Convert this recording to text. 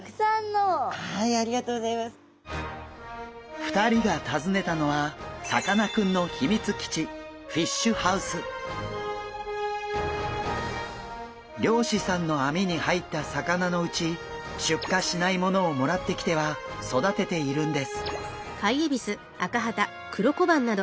２人が訪ねたのはさかなクンの秘密基地漁師さんの網に入った魚のうち出荷しないものをもらってきては育てているんです。